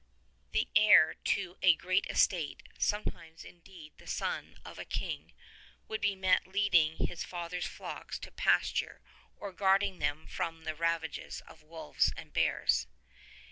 The heir to a great estate, sometimes indeed the son of a king, would be met leading his father's flocks to pasture or guarding them from the ravages of wolves and bears.